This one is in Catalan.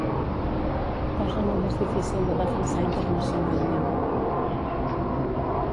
Cosa molt més difícil de defensar internacionalment.